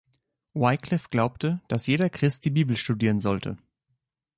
Wycliffe glaubte, dass jeder Christ die Bibel studieren sollte.